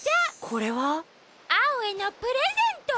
これは？アオへのプレゼント！